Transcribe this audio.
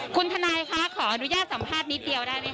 คุณทนายคะขออนุญาตสัมภาษณ์นิดเดียวได้ไหมค